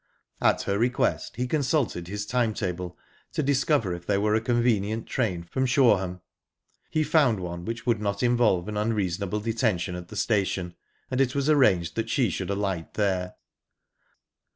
At her request he consulted his time table to discover if there were a convenient train from Shoreham. He found one which would not involve an unreasonable detention at the station, and it was arranged that she should alight there.